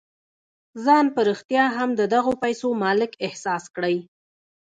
ځان په رښتيا هم د دغو پيسو مالک احساس کړئ.